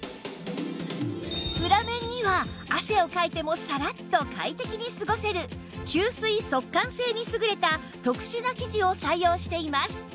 裏面には汗をかいてもサラッと快適に過ごせる吸水速乾性に優れた特殊な生地を採用しています